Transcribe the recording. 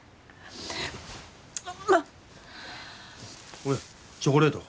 これチョコレート。